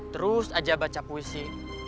terus aja baca puisi